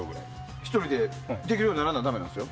１人でできるようにならなだめなんですよ。